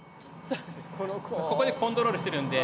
ここでコントロールしてるんで。